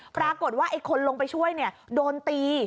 ปรากฏว่าไอ้คนลงไปช่วยโดนตี